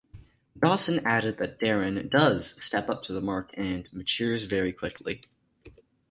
Dawson added that Darren does "step up to the mark" and "matures very quickly".